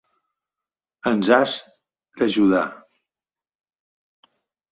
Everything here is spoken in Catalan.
Ens has d'ajudar.